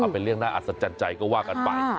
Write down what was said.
เอาเป็นเรื่องน่าอาจสะจัดใจก็ว่ากันไป